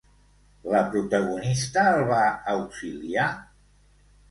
La protagonista el va auxiliar?